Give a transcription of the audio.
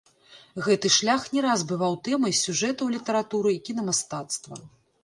Гэты шлях не раз бываў тэмай сюжэтаў літаратуры і кінамастацтва.